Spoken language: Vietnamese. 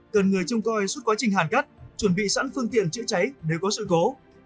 cần người trông coi suốt quá trình hàn cắt chuẩn bị sẵn phương tiện chữa cháy nếu có sự cố